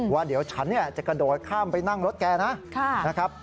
ว่าเดี๋ยวฉันจะกระโดดข้ามไปนั่งรถแกนะครับ